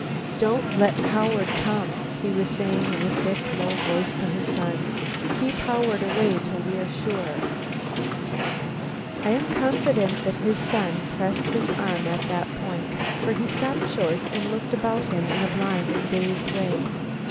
"Don't let Howard come," he was saying in a thick, low voice to his son. "Keep Howard away till we are sure " I am confident that his son pressed his arm at this point, for he stopped short and looked about him in a blind and dazed way.